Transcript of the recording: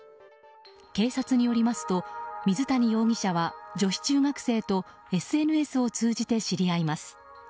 警察によりますと、水谷容疑者は女子中学生とＳＮＳを通じて知り合います。